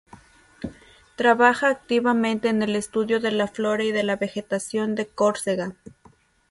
Trabaja activamente en el estudio de la flora y de la vegetación de Córcega.